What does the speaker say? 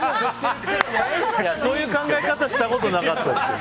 そういう考え方したことなかったですけど。